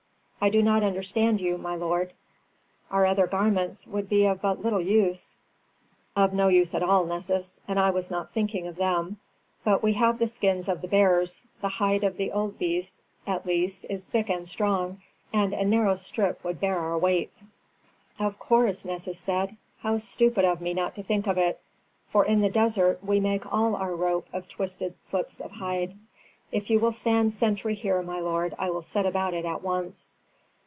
"I do not understand you, my lord. Our other garments would be of but little use." "Of no use at all, Nessus, and I was not thinking of them; but we have the skins of the bears the hide of the old bear at least is thick and tough and a narrow strip would bear our weight." "Of course," Nessus said. "How stupid of me not to think of it, for in the desert we make all our rope of twisted slips of hide. If you will stand sentry here, my lord, I will set about it at once."